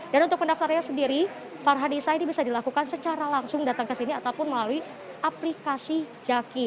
dan untuk pendaftarannya sendiri farhari said ini bisa dilakukan secara langsung datang ke sini ataupun melalui aplikasi jaki